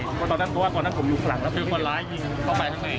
เพราะตอนนั้นตัวตอนนั้นผมอยู่ข้างแล้วคือคนร้ายยิงเข้าไปทั้งนี้